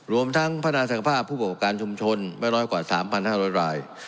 รวมทั้งพัฒนาศักยภาพผู้ประกอบการชุมชนไม่น้อยกว่า๓๕๐๐ราย